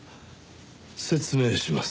説明します。